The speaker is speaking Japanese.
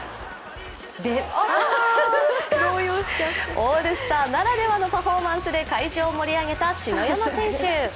オールスターならではのパフォーマンスで会場を盛り上げた篠山選手。